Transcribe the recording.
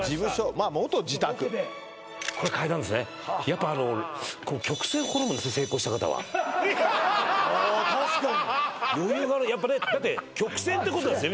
まあ元自宅これ階段ですねやっぱあのあ確かに余裕があるやっぱねだって曲線ってことはですよ